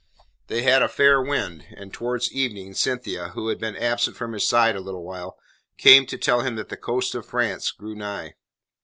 They had a fair wind, and towards evening Cynthia, who had been absent from his side a little while, came to tell him that the coast of France grew nigh.